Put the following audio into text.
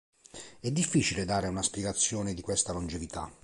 È difficile dare una spiegazione di questa longevità.